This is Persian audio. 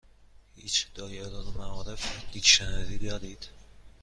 هیچ دائره المعارف دیکشنری دارید؟